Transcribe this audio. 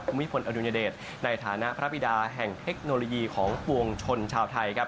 ภูมิพลอดุญเดชในฐานะพระบิดาแห่งเทคโนโลยีของปวงชนชาวไทยครับ